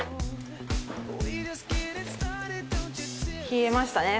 冷えましたね。